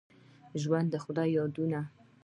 ژوندي خدای یادوي